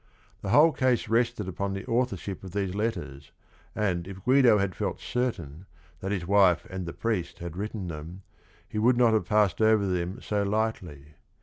The whole case rested upon the authorship of these letters, and if Guido had felt certain that his wife and the priest had written them he would not have passed over them so lightly.